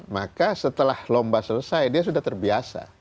maka setelah lomba selesai dia sudah terbiasa